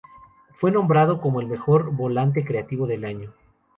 Fue nombrado como el mejor volante creativo del año.